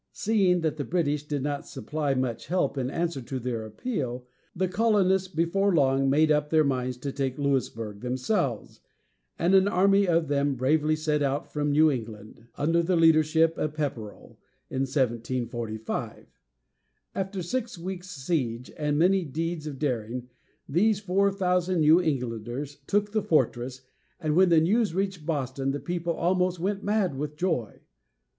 Seeing that the British did not supply much help in answer to their appeal, the colonists before long made up their minds to take Louisburg themselves; and an army of them bravely set out from New England, under the leadership of Pep´per ell, in 1745. After six weeks' siege, and many deeds of daring, these four thousand New Englanders took the fortress, and when the news reached Boston the people almost went mad with joy.